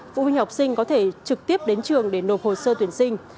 phụ huynh học sinh có thể trực tiếp đến trường để nộp hồ sơ tuyển sinh